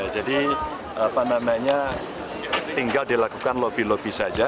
jadi tinggal dilakukan lobby lobby saja